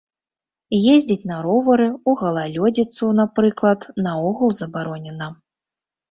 Ездзіць на ровары ў галалёдзіцу, напрыклад, наогул забаронена.